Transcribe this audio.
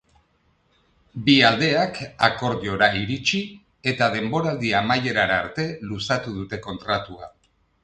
Bi aldeak akordiora iritsi, eta denboraldi amaierara arte luzatu dute kontratua.